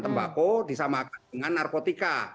tembako disamakan dengan narkotika